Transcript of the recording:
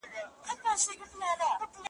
په لوی لاس چي څوک غنم کري نادان دئ ,